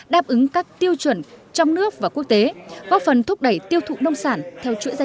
đáp ứng các tiêu chuẩn trong nước và quốc tế góp phần thúc đẩy tiêu thụ nông sản theo chuỗi giá